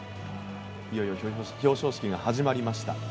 いよいよ表彰式が始まりました。